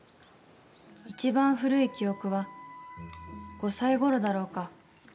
いちばん古い記憶は５歳ごろだろうか。